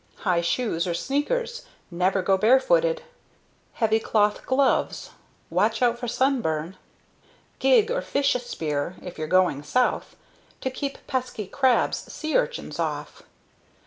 High shoes (or sneakers) never go barefooted! Heavy cloth GLOVES. Watch out for sunburn! GIG or fish spear (if you're going South) to keep pesky crabs, sea urchins off.